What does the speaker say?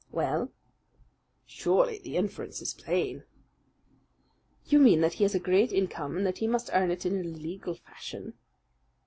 "Well?" "Surely the inference is plain." "You mean that he has a great income and that he must earn it in an illegal fashion?"